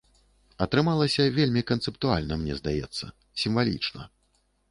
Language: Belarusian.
Атрымалася вельмі канцэптуальна, мне здаецца, сімвалічна.